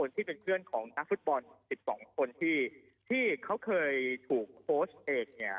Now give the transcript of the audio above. ที่เป็นเพื่อนของนักฟุตบอล๑๒คนที่เขาเคยถูกโพสต์เองเนี่ย